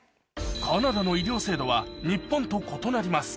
カナダの医療制度は日本と異なります